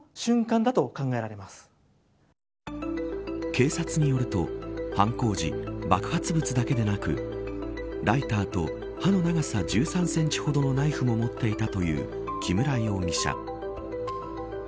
警察によると犯行時爆発物だけでなくライターと刃の長さ１３センチほどのナイフも持っていたという木村容疑者。